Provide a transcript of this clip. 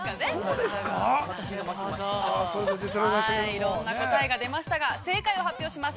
◆いろんな答えが出ましたが、正解を発表します。